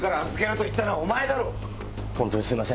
本当にすいません